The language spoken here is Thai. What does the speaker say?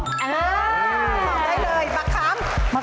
บักน่วงมะม่วง